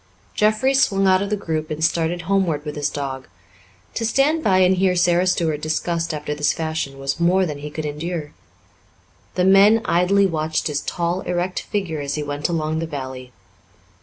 Jeffrey swung out of the group and started homeward with his dog. To stand by and hear Sara Stuart discussed after this fashion was more than he could endure. The men idly watched his tall, erect figure as he went along the valley.